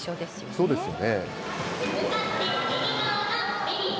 そうですよね。